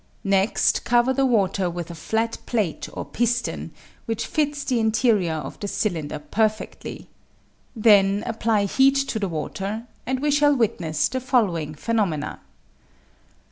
Next cover the water with a flat plate or piston, which fits the interior of the cylinder perfectly; then apply heat to the water, and we shall witness the following phenomena.